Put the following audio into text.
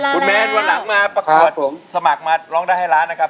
คุณแมนวันหลังมาประกวดผมสมัครมาร้องได้ให้ล้านนะครับ